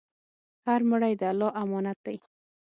هر مړی د الله امانت دی.